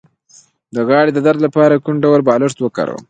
د غاړې د درد لپاره کوم ډول بالښت وکاروم؟